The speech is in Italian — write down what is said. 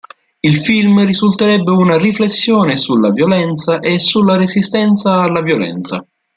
Il film risulterebbe una "riflessione sulla violenza e sulla resistenza alla violenza".